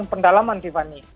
ini bukan pendalaman tiffany